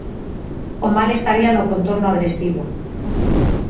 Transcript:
O mal estaría no contorno agresivo.